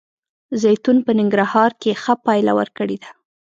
زیتون په ننګرهار کې ښه پایله ورکړې ده